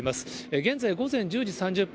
現在午前１０時３０分。